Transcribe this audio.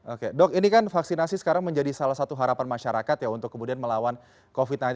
oke dok ini kan vaksinasi sekarang menjadi salah satu harapan masyarakat ya untuk kemudian melawan covid sembilan belas